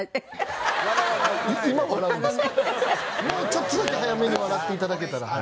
もうちょっとだけ早めに笑って頂けたらはい。